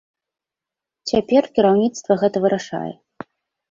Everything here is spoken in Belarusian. Цяпер кіраўніцтва гэта вырашае.